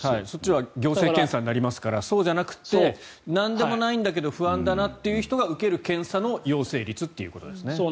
そっちは行政検査になりますからそうじゃなくてなんでもないんだけど不安だなっていう人が受ける検査の陽性率ってことですね。